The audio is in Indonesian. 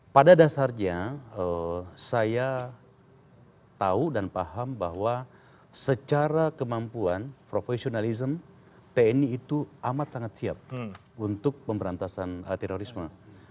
pada dasarnya saya tahu dan paham bahwa secara kemampuan profesionalism tni itu amat sangat siap untuk pemberantasan terorisme